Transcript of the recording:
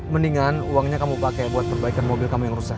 mendingan uangnya kamu pakai buat perbaikan mobil kamu yang rusak